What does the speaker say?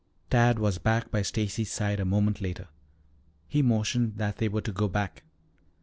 Tad was back by Stacy's side a moment later. He motioned that they were to go back.